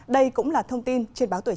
đây cũng là thông tin trên báo tuổi